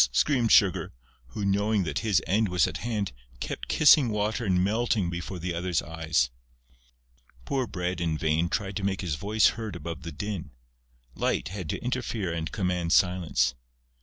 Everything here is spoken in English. screamed Sugar, who, knowing that his end was at hand, kept kissing Water and melting before the others' eyes. Poor Bread in vain tried to make his voice heard above the din. Light had to interfere and command silence.